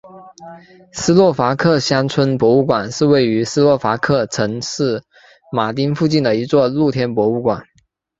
斯洛伐克乡村博物馆是位于斯洛伐克城市马丁附近的一座露天博物馆。